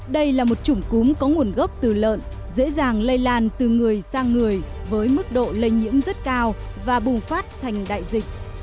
đây là một chủng cúm có nguồn gốc từ lợn dễ dàng lây lan từ người sang người với mức độ lây nhiễm rất cao và bùng phát thành đại dịch